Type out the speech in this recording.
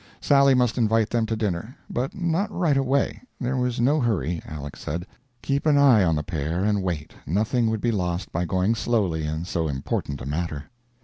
Sally must invite them to dinner. But not right away; there was no hurry, Aleck said. Keep an eye on the pair, and wait; nothing would be lost by going slowly in so important a matter.